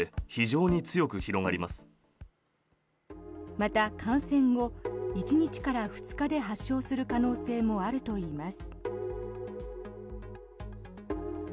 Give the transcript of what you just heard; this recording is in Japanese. また、感染後１日から２日で発症する可能性もあるといいます。